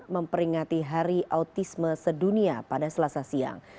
memperingati hari autisme sedunia pada selasa siang